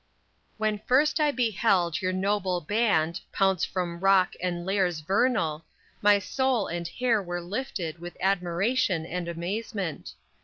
_When first I beheld your noble band Pounce from rock and lairs vernal, My soul and hair were lifted With admiration and amazement.